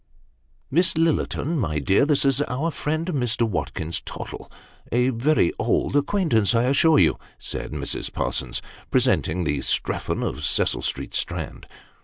" Miss Lillerton, my dear, this is our friend Mr. Watkins Tottle ; a very old acquaintance I assure you," said Mrs. Parsons, presenting the Strephon of Cecil Street, Strand.